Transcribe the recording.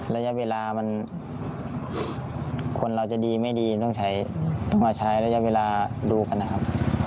ระยะเวลามันคนเราจะดีไม่ดีต้องใช้ต้องมาใช้ระยะเวลาดูกันนะครับ